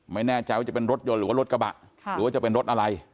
ไม่แน่ใจว่าจะเป็นรถยนต์หรือว่ารถกระบะหรือว่าจะเป็นรถอะไร